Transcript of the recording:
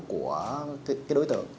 của cái đối tượng